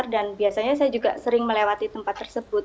dan biasanya saya juga sering melewati tempat tersebut